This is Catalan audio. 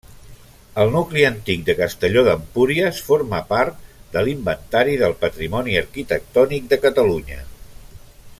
El nucli antic de Castelló d'Empúries forma part de l'Inventari del Patrimoni Arquitectònic de Catalunya.